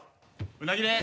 うなぎです！